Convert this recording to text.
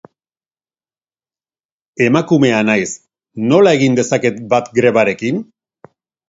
Emakumea naiz, nola egin dezaket bat grebarekin?